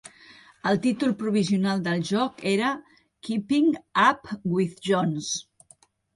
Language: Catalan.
El títol provisional del joc era "Keeping Up with Jones".